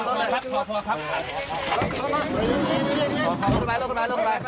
ทำงานนะครับให้กฎหมายทำงานครับ